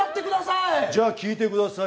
じゃあ、歌ってください。